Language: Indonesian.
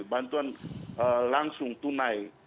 bantuan langsung tunai